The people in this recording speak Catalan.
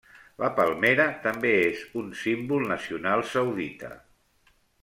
La palmera també és un símbol nacional saudita.